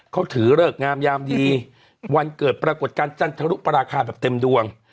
เขาถือเลิกงามยามดีวันเกิดปรากฏการณ์จันทรุปราคาแบบเต็มดวง